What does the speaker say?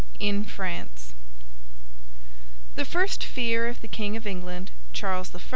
IN FRANCE The first fear of the King of England, Charles I.